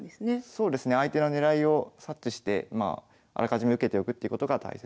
そうですね相手の狙いを察知してあらかじめ受けておくってことが大切です。